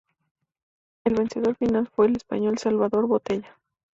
El vencedor final fue el español Salvador Botella.